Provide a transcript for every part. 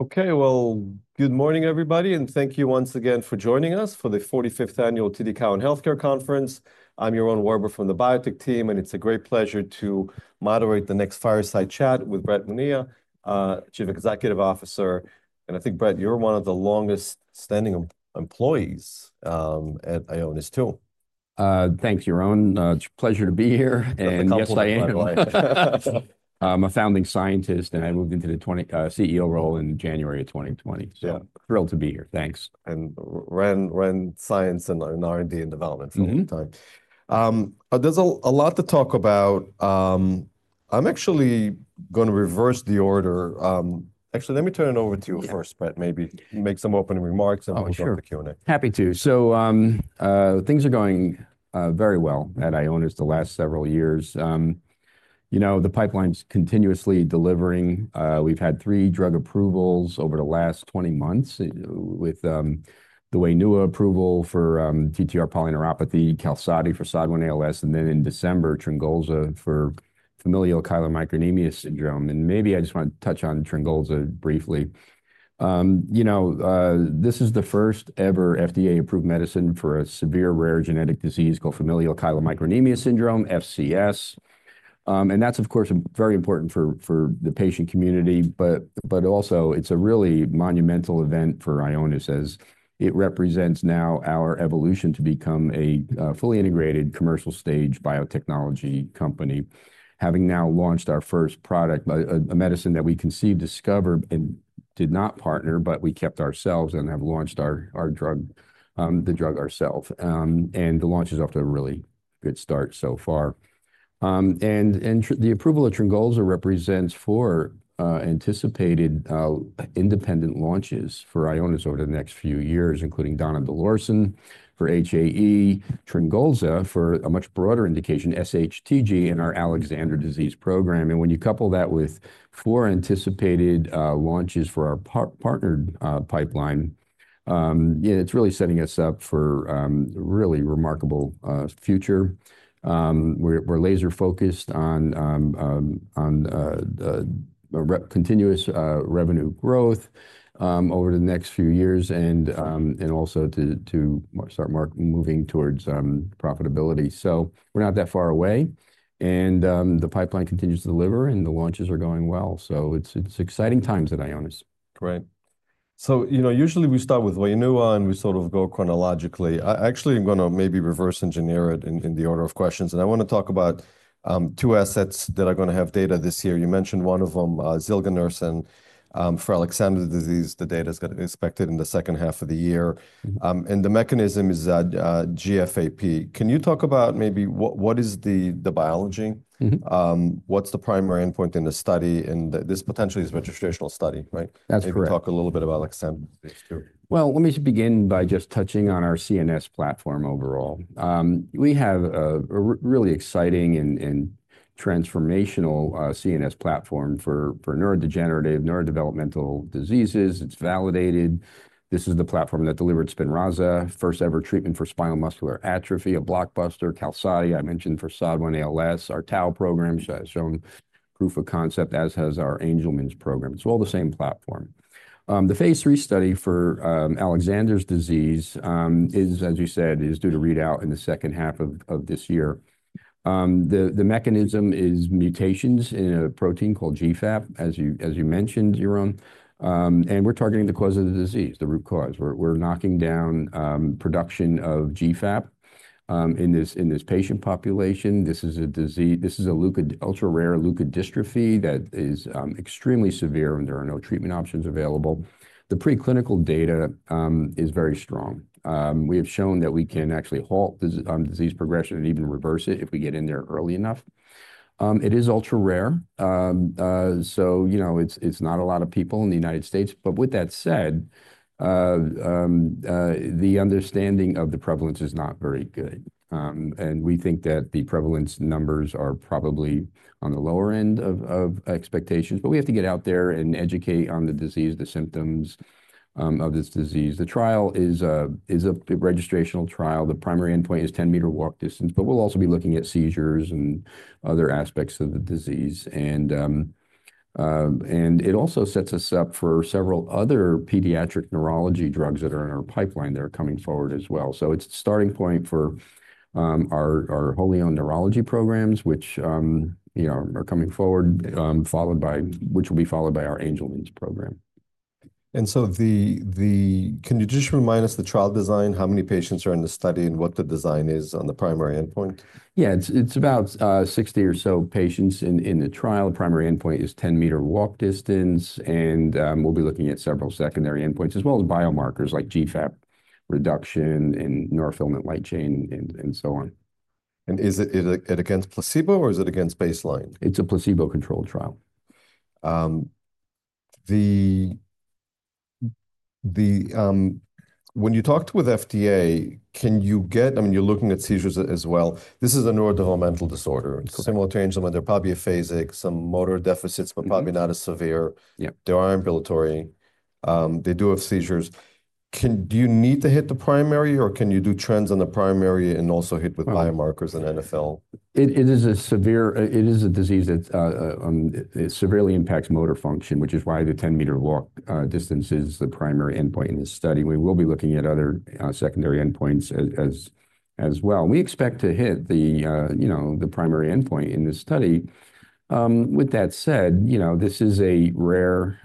Okay, well, good morning, everybody, and thank you once again for joining us for the 45th Annual TD Cowen Healthcare Conference. I'm Yaron Werber from the Biotech team, and it's a great pleasure to moderate the next fireside chat with Brett Monia, Chief Executive Officer. And I think, Brett, you're one of the longest-standing employees at Ionis, too. Thanks, Yaron. It's a pleasure to be here. Yes, I am. I'm a founding scientist, and I moved into the CEO role in January of 2020. So thrilled to be here. Thanks. And ran science and R&D and development for a long time. There's a lot to talk about. I'm actually going to reverse the order. Actually, let me turn it over to you first, Brett, maybe make some opening remarks, and we'll go to the Q&A. Sure. Happy to. Things are going very well at Ionis the last several years. You know, the pipeline's continuously delivering. We've had three drug approvals over the last 20 months, with the WAINUA approval for TTR polyneuropathy, QALSODY for SOD1-ALS, and then in December, olezarsen for familial chylomicronemia syndrome. Maybe I just want to touch on olezarsen briefly. You know, this is the first-ever FDA-approved medicine for a severe rare genetic disease called familial chylomicronemia syndrome, FCS. That's, of course, very important for the patient community. But also, it's a really monumental event for Ionis, as it represents now our evolution to become a fully integrated commercial-stage biotechnology company, having now launched our first product, a medicine that we conceived, discovered, and did not partner, but we kept ourselves and have launched the drug ourselves. The launch is off to a really good start so far. The approval of olezarsen represents four anticipated independent launches for Ionis over the next few years, including donidalorsen for HAE, olezarsen for a much broader indication, sHTG, and our Alexander disease program. When you couple that with four anticipated launches for our partnered pipeline, it's really setting us up for a really remarkable future. We're laser-focused on continuous revenue growth over the next few years, and also to start moving towards profitability. We're not that far away. The pipeline continues to deliver, and the launches are going well. It's exciting times at Ionis. Right. So you know, usually we start with WAINUA, and we sort of go chronologically. I actually am going to maybe reverse engineer it in the order of questions. And I want to talk about two assets that are going to have data this year. You mentioned one of them, zilganersen. For Alexander disease, the data is going to be expected in the second half of the year. And the mechanism is GFAP. Can you talk about maybe what is the biology? What's the primary endpoint in the study? And this potentially is a registrational study, right? That's correct. Can you talk a little bit about Alexander disease, too? Let me begin by just touching on our CNS platform overall. We have a really exciting and transformational CNS platform for neurodegenerative, neurodevelopmental diseases. It's validated. This is the platform that delivered SPINRAZA, first-ever treatment for spinal muscular atrophy, a blockbuster. QALSODY, I mentioned, for SOD1-ALS. Our Tau program has shown proof of concept, as has our Angelman's program. It's all the same platform. The phase III study for Alexander's disease is, as you said, due to readout in the second half of this year. The mechanism is mutations in a protein called GFAP, as you mentioned, Yaron. And we're targeting the cause of the disease, the root cause. We're knocking down production of GFAP in this patient population. This is an ultra-rare leukodystrophy that is extremely severe, and there are no treatment options available. The preclinical data is very strong. We have shown that we can actually halt disease progression and even reverse it if we get in there early enough. It is ultra-rare. So you know, it's not a lot of people in the United States. But with that said, the understanding of the prevalence is not very good. And we think that the prevalence numbers are probably on the lower end of expectations. But we have to get out there and educate on the disease, the symptoms of this disease. The trial is a registrational trial. The primary endpoint is 10-meter walk distance. But we'll also be looking at seizures and other aspects of the disease. And it also sets us up for several other pediatric neurology drugs that are in our pipeline that are coming forward as well. So it's a starting point for our wholly owned neurology programs, which are coming forward, which will be followed by our Angelman's program. Can you just remind us the trial design, how many patients are in the study, and what the design is on the primary endpoint? Yeah, it's about 60 or so patients in the trial. The primary endpoint is 10-meter walk distance, and we'll be looking at several secondary endpoints, as well as biomarkers like GFAP reduction and neurofilament light chain, and so on. Is it against placebo, or is it against baseline? It's a placebo-controlled trial. When you talked with FDA, can you get, I mean, you're looking at seizures as well. This is a neurodevelopmental disorder. Similar to Angelman, there are probably aphasics, some motor deficits, but probably not as severe. They are ambulatory. They do have seizures. Do you need to hit the primary, or can you do trends on the primary and also hit with biomarkers and NfL? It is a severe disease that severely impacts motor function, which is why the 10-meter walk distance is the primary endpoint in this study. We will be looking at other secondary endpoints as well. We expect to hit the primary endpoint in this study. With that said, this is a rare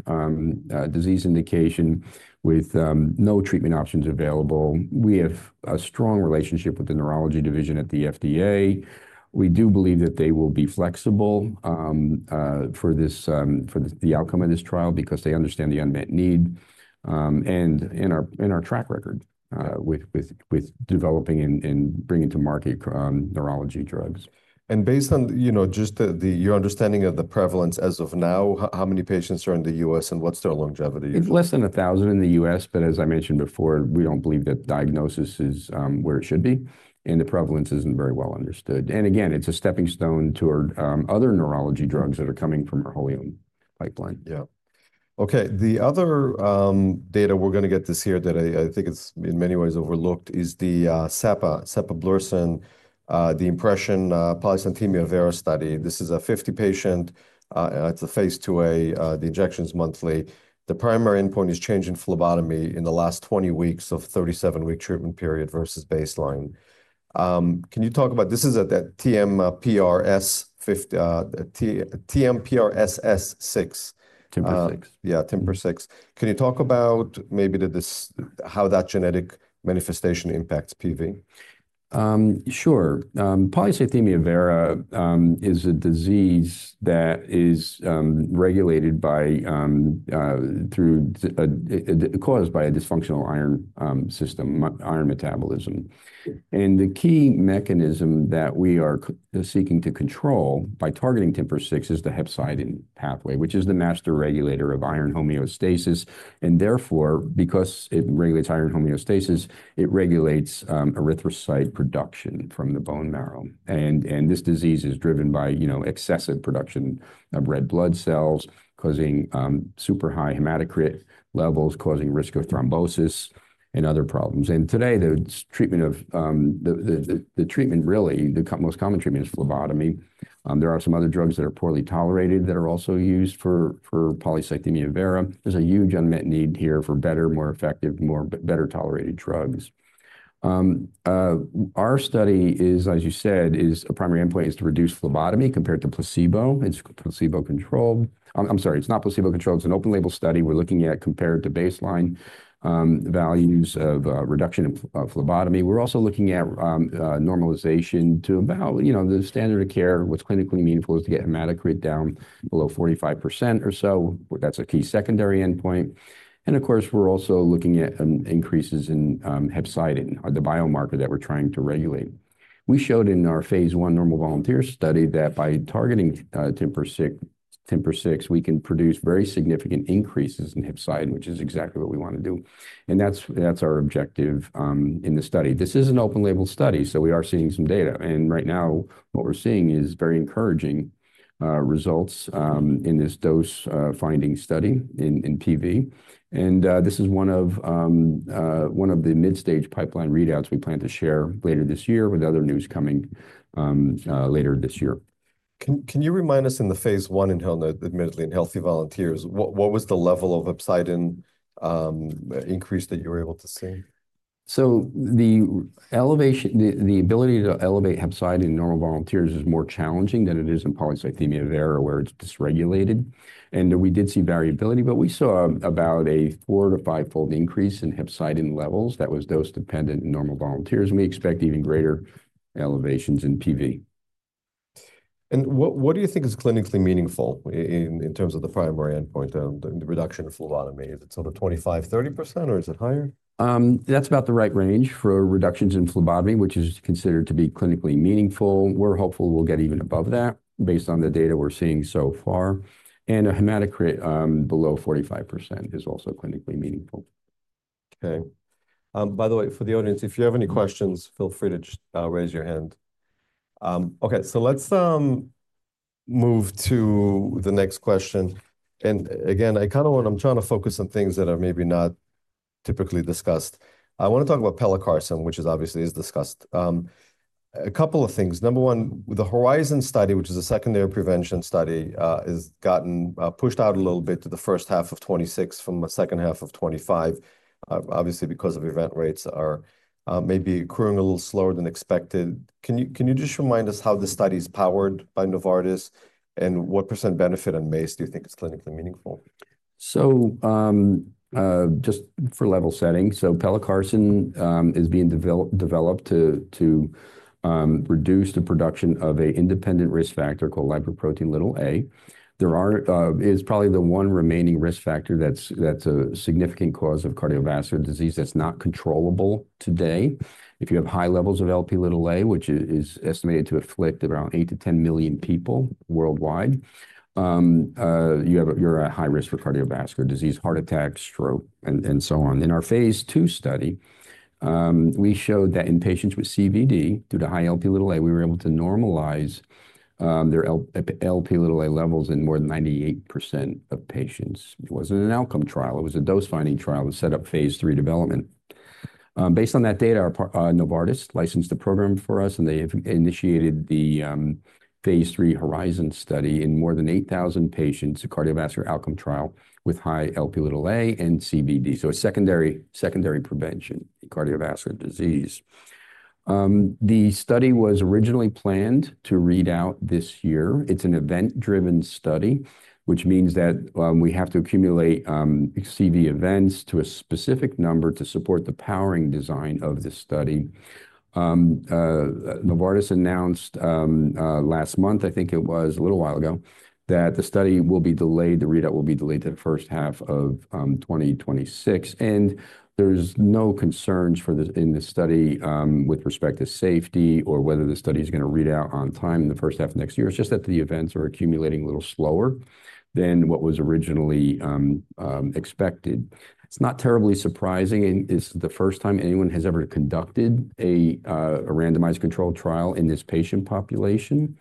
disease indication with no treatment options available. We have a strong relationship with the neurology division at the FDA. We do believe that they will be flexible for the outcome of this trial because they understand the unmet need and our track record with developing and bringing to market neurology drugs. Based on just your understanding of the prevalence as of now, how many patients are in the U.S., and what's their longevity? It's less than 1,000 in the U.S. But as I mentioned before, we don't believe that diagnosis is where it should be. And the prevalence isn't very well understood. And again, it's a stepping stone toward other neurology drugs that are coming from our wholly owned pipeline. Yeah. Okay, the other data we're going to get this year that I think is in many ways overlooked is the sapablursen, the IMPRSSION polycythemia vera study. This is a 50-patient. It's a phase II-A. The injection is monthly. The primary endpoint is change in phlebotomy in the last 20 weeks of 37-week treatment period versus baseline. Can you talk about this? It's a TMPRSS6. TMPRSS6. Yeah, TMPRSS6. Can you talk about maybe how that genetic manifestation impacts PV? Sure. Polycythemia vera is a disease that is regulated through caused by a dysfunctional iron system, iron metabolism. And the key mechanism that we are seeking to control by targeting TMPRSS6 is the hepcidin pathway, which is the master regulator of iron homeostasis. And therefore, because it regulates iron homeostasis, it regulates erythrocytes production from the bone marrow. And this disease is driven by excessive production of red blood cells, causing super high hematocrit levels, causing risk of thrombosis and other problems. And today, the treatment, really, the most common treatment is phlebotomy. There are some other drugs that are poorly tolerated that are also used for polycythemia vera. There's a huge unmet need here for better, more effective, better tolerated drugs. Our study is, as you said, a primary endpoint is to reduce phlebotomy compared to placebo. It's placebo-controlled. I'm sorry, it's not placebo-controlled. It's an open-label study. We're looking at compared to baseline values of reduction of phlebotomy. We're also looking at normalization to about the standard of care. What's clinically meaningful is to get hematocrit down below 45% or so. That's a key secondary endpoint. And of course, we're also looking at increases in hepcidin, the biomarker that we're trying to regulate. We showed in our phase I normal volunteer study that by targeting TMPRSS6, we can produce very significant increases in hepcidin, which is exactly what we want to do. And that's our objective in the study. This is an open-label study, so we are seeing some data. And right now, what we're seeing is very encouraging results in this dose-finding study in PV. And this is one of the mid-stage pipeline readouts we plan to share later this year with other news coming later this year. Can you remind us in the phase I, admittedly in healthy volunteers, what was the level of hepcidin increase that you were able to see? The ability to elevate hepcidin in normal volunteers is more challenging than it is in polycythemia vera, where it's dysregulated. We did see variability, but we saw about a four to five-fold increase in hepcidin levels that was dose-dependent in normal volunteers. We expect even greater elevations in PV. What do you think is clinically meaningful in terms of the primary endpoint, the reduction of phlebotomy? Is it sort of 25%, 30%, or is it higher? That's about the right range for reductions in phlebotomy, which is considered to be clinically meaningful. We're hopeful we'll get even above that based on the data we're seeing so far, and a hematocrit below 45% is also clinically meaningful. Okay. By the way, for the audience, if you have any questions, feel free to just raise your hand. Okay, so let's move to the next question. And again, I kind of want, I'm trying to focus on things that are maybe not typically discussed. I want to talk about pelacarsen, which obviously is discussed. A couple of things. Number one, the HORIZON study, which is a secondary prevention study, has gotten pushed out a little bit to the first half of 2026 from the second half of 2025, obviously because of event rates are maybe accruing a little slower than expected. Can you just remind us how the study is powered by Novartis and what percent benefit on MACE do you think is clinically meaningful? So just for level setting, pelacarsen is being developed to reduce the production of an independent risk factor called lipoprotein(a). There is probably the one remaining risk factor that's a significant cause of cardiovascular disease that's not controllable today. If you have high levels of Lp(a), which is estimated to afflict around 8 million people-10 million people worldwide, you're at high risk for cardiovascular disease, heart attacks, stroke, and so on. In our phase II study, we showed that in patients with CVD due to high Lp(a), we were able to normalize their Lp(a) levels in more than 98% of patients. It wasn't an outcome trial. It was a dose-finding trial that set up phase III development. Based on that data, Novartis licensed the program for us, and they initiated the phase III HORIZON study in more than 8,000 patients, a cardiovascular outcome trial with high Lp(a) levels and CVD, so a secondary prevention in cardiovascular disease. The study was originally planned to read out this year. It's an event-driven study, which means that we have to accumulate CV events to a specific number to support the powering design of this study. Novartis announced last month, I think it was a little while ago, that the study will be delayed. The readout will be delayed to the first half of 2026. There's no concerns in this study with respect to safety or whether the study is going to read out on time in the first half of next year. It's just that the events are accumulating a little slower than what was originally expected. It's not terribly surprising. It's the first time anyone has ever conducted a randomized controlled trial in this patient population.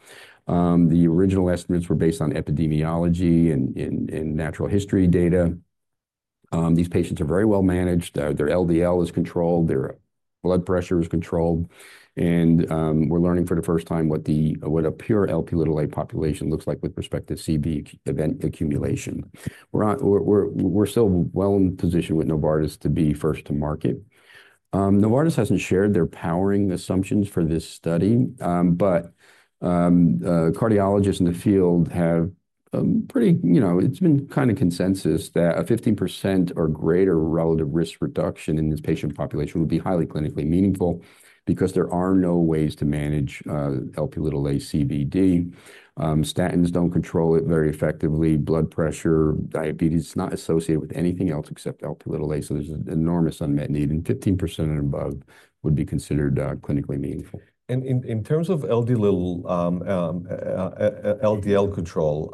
The original estimates were based on epidemiology and natural history data. These patients are very well managed. Their LDL is controlled. Their blood pressure is controlled. And we're learning for the first time what a pure Lp(a) population looks like with respect to CV event accumulation. We're still well in position with Novartis to be first to market. Novartis hasn't shared their powering assumptions for this study. But cardiologists in the field have pretty, it's been kind of consensus that a 15% or greater relative risk reduction in this patient population would be highly clinically meaningful because there are no ways to manage Lp(a) CVD. Statins don't control it very effectively. Blood pressure, diabetes is not associated with anything else except Lp(a). So there's an enormous unmet need. And 15% and above would be considered clinically meaningful. In terms of LDL control,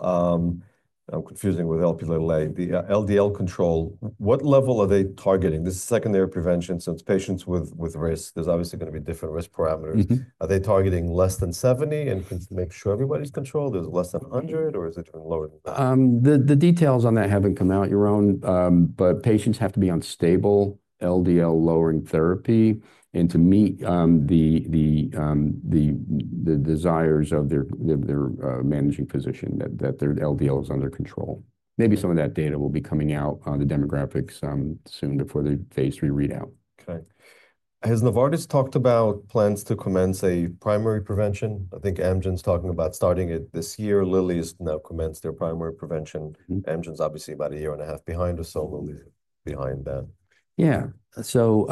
confusing with Lp(a) little, the LDL control, what level are they targeting? This is secondary prevention since patients with risk, there's obviously going to be different risk parameters. Are they targeting less than 70 patients and make sure everybody's controlled? Is it less than 100 patients, or is it lower than that? The details on that haven't come out. But patients have to be on stable LDL-lowering therapy and to meet the desires of their managing physician that their LDL is under control. Maybe some of that data will be coming out on the demographics soon before the phase III readout. Okay. Has Novartis talked about plans to commence a primary prevention? I think Amgen's talking about starting it this year. Lilly has now commenced their primary prevention. Amgen's obviously about a year and a half behind us, so we'll leave it behind that. Yeah. So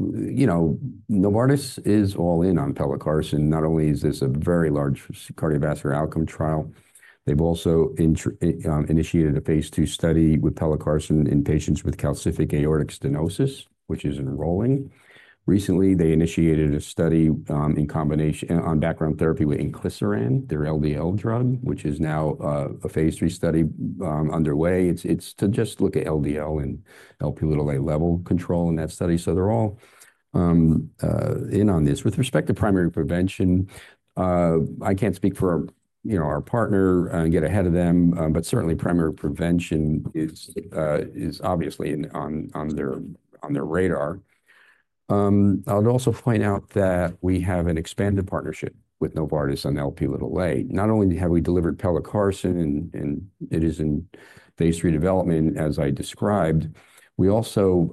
Novartis is all in on pelacarsen. Not only is this a very large cardiovascular outcome trial, they've also initiated a phase II study with pelacarsen in patients with calcific aortic stenosis, which is enrolling. Recently, they initiated a study on background therapy with inclisiran, their LDL drug, which is now a phase III study underway. It's to just look at LDL and Lp(a) little a level control in that study. So they're all in on this. With respect to primary prevention, I can't speak for our partner and get ahead of them, but certainly primary prevention is obviously on their radar. I'll also point out that we have an expanded partnership with Novartis on Lp(a) little a. Not only have we delivered pelacarsen, and it is in phase III development, as I described, we also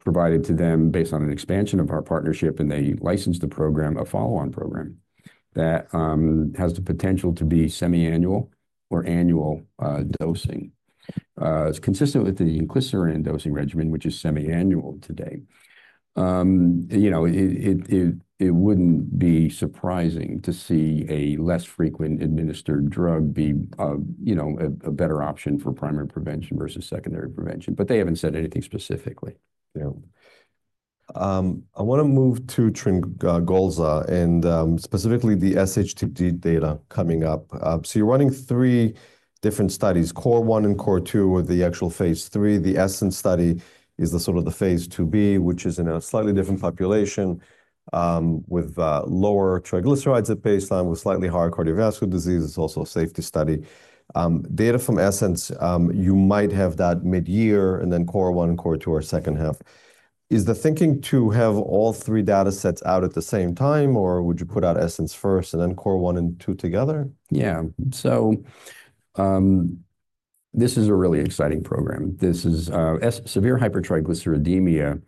provided to them, based on an expansion of our partnership, and they licensed the program, a follow-on program that has the potential to be semi-annual or annual dosing. It's consistent with the inclisiran dosing regimen, which is semi-annual today. It wouldn't be surprising to see a less frequent administered drug be a better option for primary prevention versus secondary prevention. But they haven't said anything specifically. Yeah. I want to move to olezarsen and specifically the sHTG data coming up. So you're running three different studies, CORE and CORE2 with the actual phase III. The ESSENCE study is the sort of the phase II-B, which is in a slightly different population with lower triglycerides at baseline with slightly higher cardiovascular disease. It's also a safety study. Data from ESSENCE, you might have that mid-year and then CORE and CORE2 are second half. Is the thinking to have all three data sets out at the same time, or would you put out ESSENCE first and then CORE and 2 together? Yeah, so this is a really exciting program. Severe hypertriglyceridemia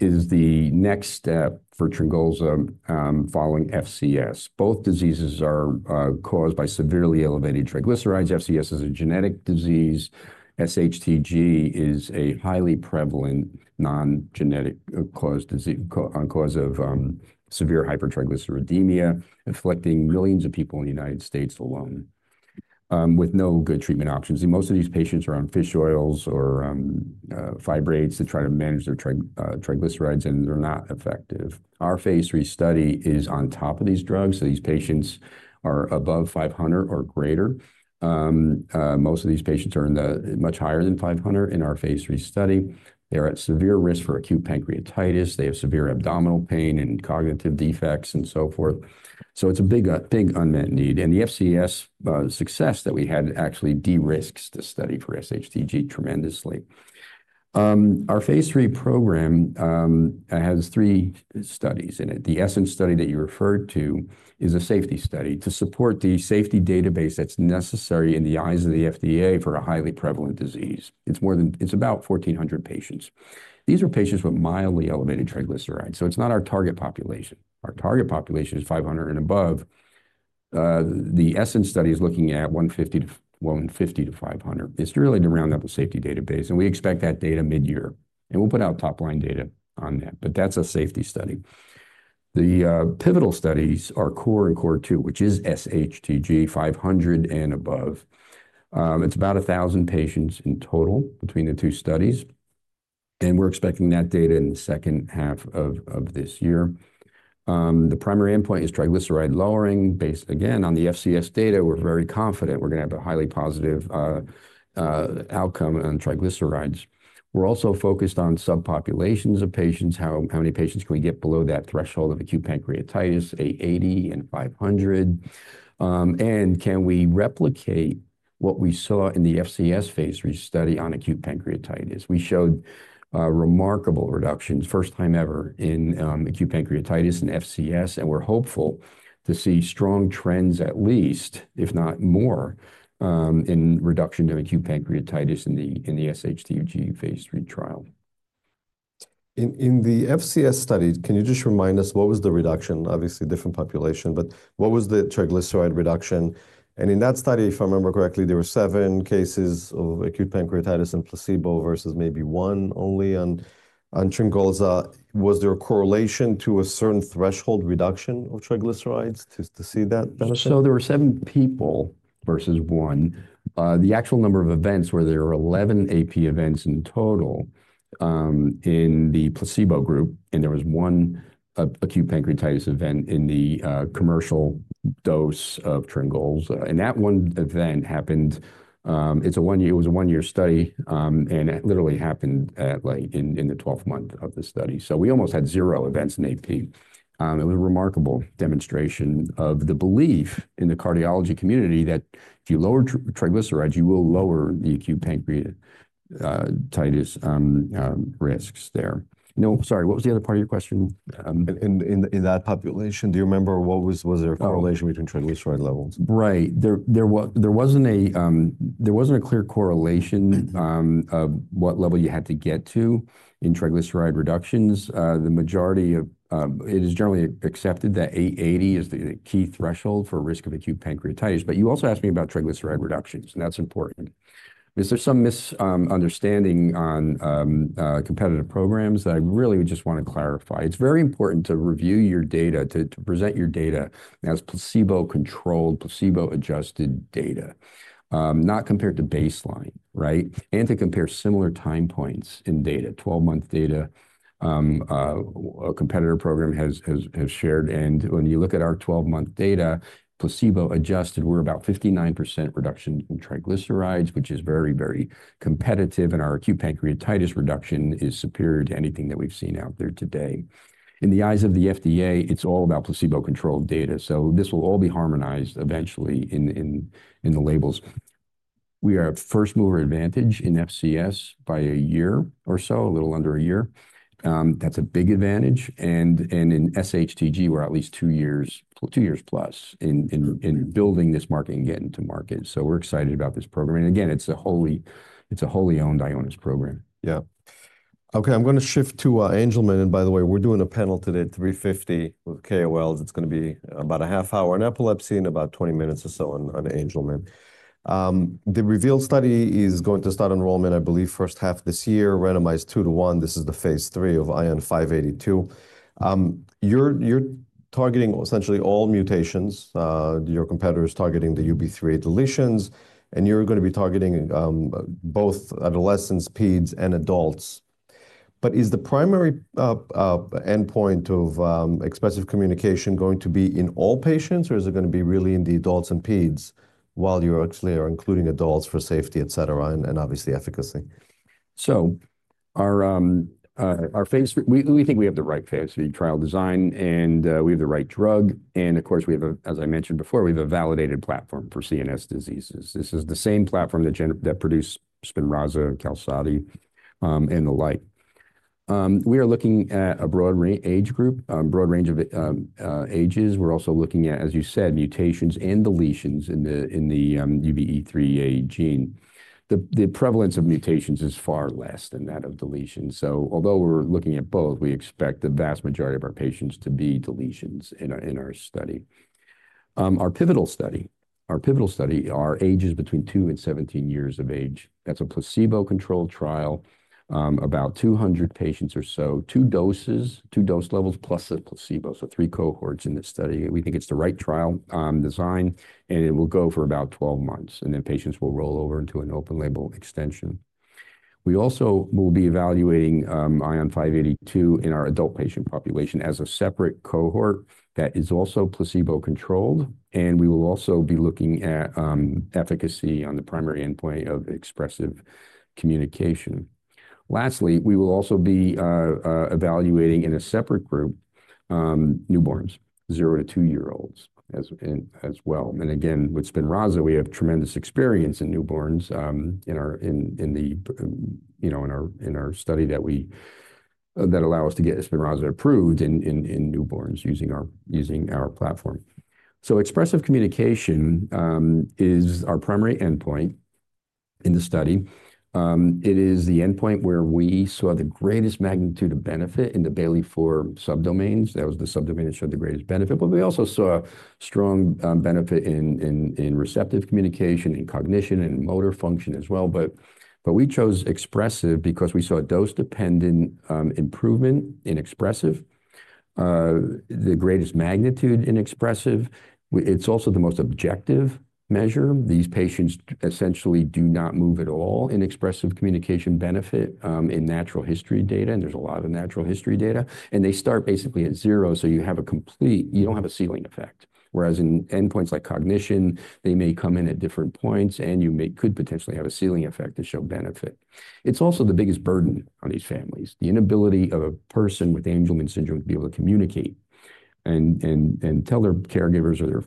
is the next step for olezarsen following FCS. Both diseases are caused by severely elevated triglycerides. FCS is a genetic disease. sHTG is a highly prevalent non-genetic cause of severe hypertriglyceridemia, afflicting millions of people in the United States alone with no good treatment options. Most of these patients are on fish oils or fibrates to try to manage their triglycerides, and they're not effective. Our phase III study is on top of these drugs. So these patients are above 500 or greater. Most of these patients are much higher than 500 in our phase III study. They are at severe risk for acute pancreatitis. They have severe abdominal pain and cognitive defects and so forth. So it's a big unmet need, and the FCS success that we had actually de-risks the study for sHTG tremendously. Our phase III program has three studies in it. The ESSENCE study that you referred to is a safety study to support the safety database that's necessary in the eyes of the FDA for a highly prevalent disease. It's about 1,400 patients. These are patients with mildly elevated triglycerides. So it's not our target population. Our target population is 500 and above. The ESSENCE study is looking at 150-500. It's really to round out the safety database, and we expect that data mid-year, and we'll put out top-line data on that, but that's a safety study. The pivotal studies are CORE and CORE2, which is sHTG 500 and above. It's about 1,000 patients in total between the two studies, and we're expecting that data in the second half of this year. The primary endpoint is triglyceride lowering based, again, on the FCS data. We're very confident we're going to have a highly positive outcome on triglycerides. We're also focused on subpopulations of patients. How many patients can we get below that threshold of acute pancreatitis, 80 patients and 500 patients, and can we replicate what we saw in the FCS phase III study on acute pancreatitis? We showed remarkable reductions, first time ever in acute pancreatitis and FCS, and we're hopeful to see strong trends, at least, if not more, in reduction of acute pancreatitis in the sHTG phase III trial. In the FCS study, can you just remind us what was the reduction? Obviously, different population, but what was the triglyceride reduction? And in that study, if I remember correctly, there were seven cases of acute pancreatitis and placebo versus maybe one only. On olezarsen, was there a correlation to a certain threshold reduction of triglycerides to see that? So there were seven people versus one. The actual number of events were 11 AP events in total in the placebo group. And there was one acute pancreatitis event in the commercial dose of olezarsen. And that one event happened. It was a one-year study. And it literally happened in the 12th month of the study. So we almost had zero events in AP. It was a remarkable demonstration of the belief in the cardiology community that if you lower triglycerides, you will lower the acute pancreatitis risks there. No, sorry, what was the other part of your question? In that population, do you remember what was their correlation between triglyceride levels? Right. There wasn't a clear correlation of what level you had to get to in triglyceride reductions. The majority of it is generally accepted that 80, 80 is the key threshold for risk of acute pancreatitis, but you also asked me about triglyceride reductions, and that's important. Is there some misunderstanding on competitive programs that I really just want to clarify? It's very important to review your data, to present your data as placebo-controlled, placebo-adjusted data, not compared to baseline, right, and to compare similar time points in data, 12-month data a competitor program has shared, and when you look at our 12-month data, placebo-adjusted, we're about 59% reduction in triglycerides, which is very, very competitive, and our acute pancreatitis reduction is superior to anything that we've seen out there today. In the eyes of the FDA, it's all about placebo-controlled data. So this will all be harmonized eventually in the labels. We are a first-mover advantage in FCS by a year or so, a little under a year. That's a big advantage. And in sHTG, we're at least two years plus in building this market and getting to market. So we're excited about this program. And again, it's a wholly-owned Ionis program. Yeah. Okay. I'm going to shift to Angelman. And by the way, we're doing a panel today at 3:50 P.M. with KOLs. It's going to be about a half hour on epilepsy and about 20 minutes or so on Angelman. The REVEAL study is going to start enrollment, I believe, first half this year, randomized two to one. This is the phase III of ION582. You're targeting essentially all mutations. Your competitor is targeting the UBE3A deletions. And you're going to be targeting both adolescents, peds, and adults. But is the primary endpoint of expressive communication going to be in all patients, or is it going to be really in the adults and peds while you're actually including adults for safety, et cetera, and obviously efficacy? Our phase III, we think we have the right phase III trial design. And we have the right drug. And of course, we have, as I mentioned before, we have a validated platform for CNS diseases. This is the same platform that produced SPINRAZA, QALSODY, and the like. We are looking at a broad age group, broad range of ages. We're also looking at, as you said, mutations and deletions in the UBE3A gene. The prevalence of mutations is far less than that of deletions. So although we're looking at both, we expect the vast majority of our patients to be deletions in our study. Our pivotal study are ages between two and 17 years of age. That's a placebo-controlled trial, about 200 patients or so, two doses, two dose levels plus a placebo. So three cohorts in this study. We think it's the right trial design, and it will go for about 12 months, and then patients will roll over into an open-label extension. We also will be evaluating ION582 in our adult patient population as a separate cohort that is also placebo-controlled, and we will also be looking at efficacy on the primary endpoint of expressive communication. Lastly, we will also be evaluating in a separate group newborns, zero to two-year-olds as well, and again, with SPINRAZA, we have tremendous experience in newborns in our study that allow us to get SPINRAZA approved in newborns using our platform, so expressive communication is our primary endpoint in the study. It is the endpoint where we saw the greatest magnitude of benefit in the Bayley-4 subdomains. That was the subdomain that showed the greatest benefit. But we also saw strong benefit in receptive communication, in cognition, and motor function as well. But we chose expressive because we saw a dose-dependent improvement in expressive, the greatest magnitude in expressive. It's also the most objective measure. These patients essentially do not move at all in expressive communication benefit in natural history data. And there's a lot of natural history data. And they start basically at zero. So you don't have a ceiling effect. Whereas in endpoints like cognition, they may come in at different points. And you could potentially have a ceiling effect to show benefit. It's also the biggest burden on these families, the inability of a person with Angelman syndrome to be able to communicate and tell their caregivers or their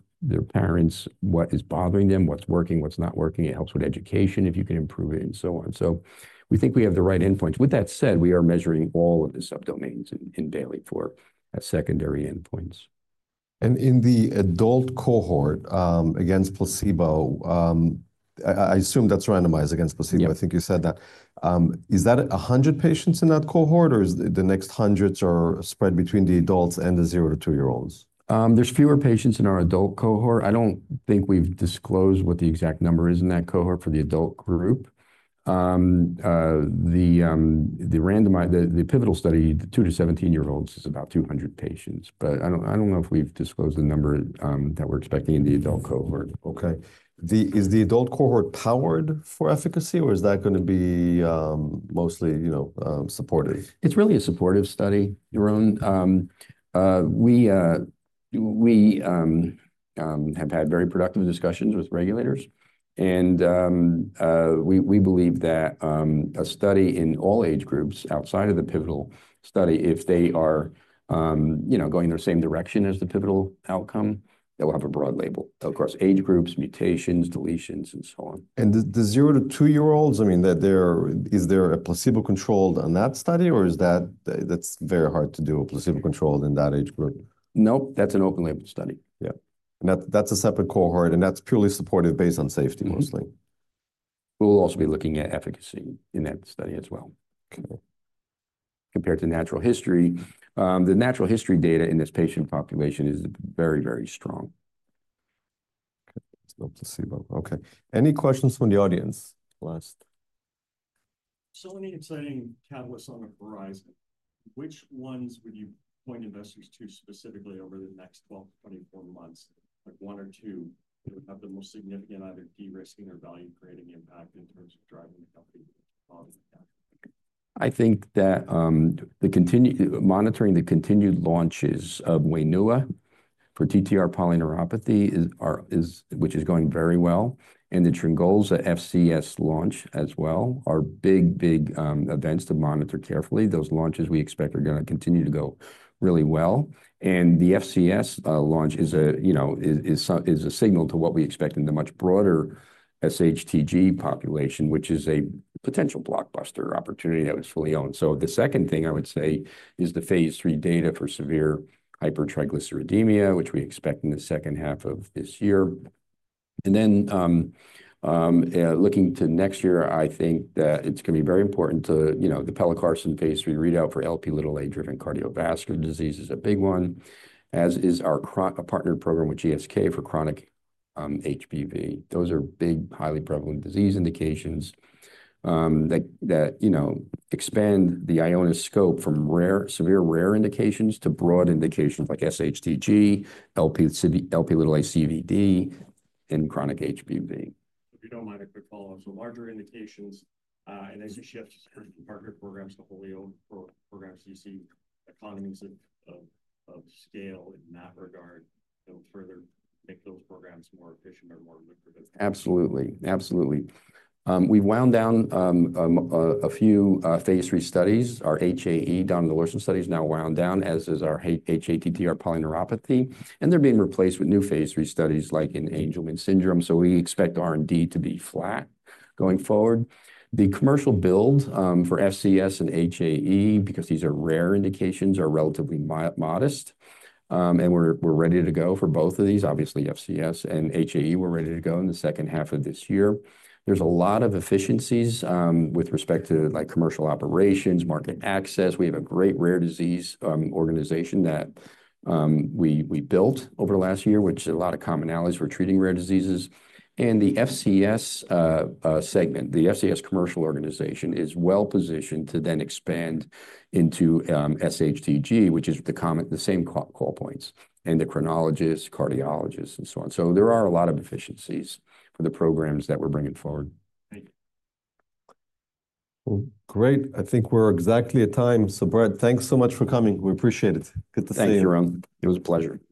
parents what is bothering them, what's working, what's not working. It helps with education if you can improve it and so on. So we think we have the right endpoints. With that said, we are measuring all of the subdomains in Bayley for secondary endpoints. And in the adult cohort against placebo, I assume that's randomized against placebo. I think you said that. Is that 100 patients in that cohort, or is the next hundreds spread between the adults and the zero to two-year-olds? There's fewer patients in our adult cohort. I don't think we've disclosed what the exact number is in that cohort for the adult group. The pivotal study, two year-17-year-olds, is about 200 patients. But I don't know if we've disclosed the number that we're expecting in the adult cohort. Okay. Is the adult cohort powered for efficacy, or is that going to be mostly supportive? It's really a supportive study. We have had very productive discussions with regulators, and we believe that a study in all age groups outside of the pivotal study, if they are going in the same direction as the pivotal outcome, they'll have a broad label, of course, age groups, mutations, deletions, and so on. And the zero to two-year-olds, I mean, is there a placebo-controlled on that study, or that's very hard to do, a placebo-controlled in that age group? Nope. That's an open-label study. Yeah. And that's a separate cohort. And that's purely supportive based on safety mostly. We'll also be looking at efficacy in that study as well. Okay. Compared to natural history, the natural history data in this patient population is very, very strong. Okay. Any questions from the audience? Last. So many exciting catalysts on the horizon. Which ones would you point investors to specifically over the next 12 months-24 months, like one or two that would have the most significant either de-risking or value-creating impact in terms of driving the company? I think that monitoring the continued launches of WAINUA for TTR polyneuropathy, which is going very well, and the olezarsen FCS launch as well are big, big events to monitor carefully. Those launches we expect are going to continue to go really well. And the FCS launch is a signal to what we expect in the much broader sHTG population, which is a potential blockbuster opportunity that was fully owned. So the second thing I would say is the phase III data for severe hypertriglyceridemia, which we expect in the second half of this year. And then looking to next year, I think that it's going to be very important, the pelacarsen phase III readout for Lp(a)-driven cardiovascular disease is a big one, as is our partner program with GSK for chronic HBV. Those are big, highly prevalent disease indications that expand the Ionis scope from severe rare indications to broad indications like sHTG, Lp(a)-CVD, and chronic HBV. If you don't mind, I could follow up. So larger indications. And as you shift from partner programs to wholly-owned programs, do you see economies of scale in that regard that will further make those programs more efficient or more lucrative? Absolutely. Absolutely. We've wound down a few phase III studies. Our HAE donidalorsen studies now wound down, as is our hATTR polyneuropathy, and they're being replaced with new phase III studies like in Angelman syndrome, so we expect R&D to be flat going forward. The commercial build for FCS and HAE, because these are rare indications, are relatively modest, and we're ready to go for both of these. Obviously FCS and HAE, we're ready to go in the second half of this year. There's a lot of efficiencies with respect to commercial operations, market access. We have a great rare disease organization that we built over the last year, which has a lot of commonalities for treating rare diseases, and the FCS segment, the FCS commercial organization, is well positioned to then expand into sHTG, which is the same call points: endocrinologists, cardiologists, and so on. So there are a lot of efficiencies for the programs that we're bringing forward. Great. Well, great. I think we're exactly at time. So Brett, thanks so much for coming. We appreciate it. Good to see you. Thank you, Yaron. It was a pleasure.